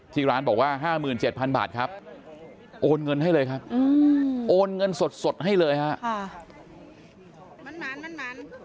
ที่ร้านบอกว่าห้าหมื่นเจ็ดพันบาทครับโอนเงินให้เลยครับโอนเงินสดให้เลยครับ